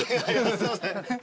すいません。